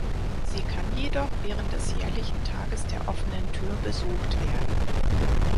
Sie kann jedoch während des jährlichen Tages der offenen Tür besucht werden.